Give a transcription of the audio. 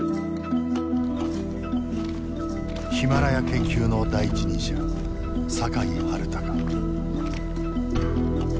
ヒマラヤ研究の第一人者酒井治孝。